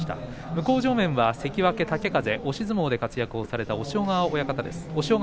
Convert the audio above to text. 向正面は関脇豪風、押し相撲で活躍をされた押尾川親方です。